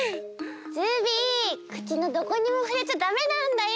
ズビー口のどこにもふれちゃダメなんだよ！